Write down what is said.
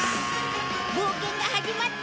冒険が始まったんだ。